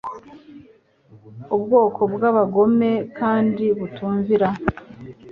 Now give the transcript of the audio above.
ubwoko bw'abagome kandi butumvira;